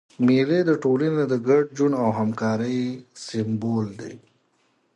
مېلې د ټولني د ګډ ژوند او همکارۍ سېمبول دي.